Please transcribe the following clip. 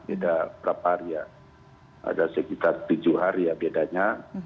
beda berapa hari ya ada sekitar tujuh hari ya bedanya